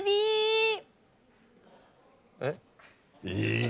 えっ？